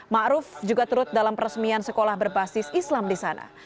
ma'ruf juga turut dalam peresmian sekolah berbasis islam di sana